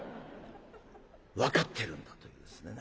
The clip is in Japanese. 分かってるんだというですね。